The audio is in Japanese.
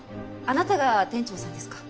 あなたが店長さんですか？